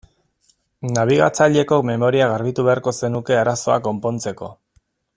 Nabigatzaileko memoria garbitu beharko zenuke arazoa konpontzeko.